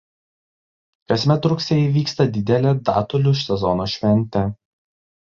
Kasmet rugsėjį vyksta didelė "datulių sezono šventė".